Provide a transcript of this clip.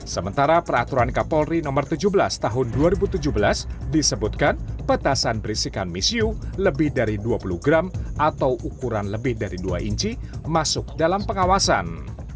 sementara peraturan kapolri nomor tujuh belas tahun dua ribu tujuh belas disebutkan petasan berisikan misiu lebih dari dua puluh gram atau ukuran lebih dari dua inci masuk dalam pengawasan